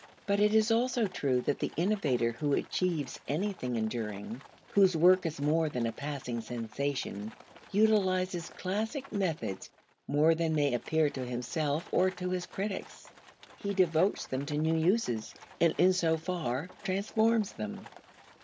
But it is also true that the innovator who achieves anything enduring, whose work is more than a passing sensation, utilizes classic methods more than may appear to himself or to his critics. He devotes them to new uses, and in so far transforms them.